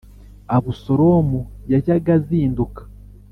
Abusalomu yajyaga azinduka.